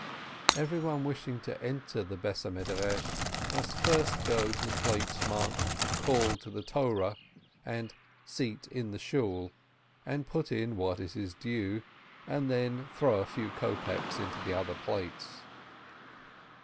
Everyone wishing to enter the house of study must first go to the plates marked "Call to the Torah" and "Seat in the Shool," put in what is his due, and then throw a few kopeks into the other plates.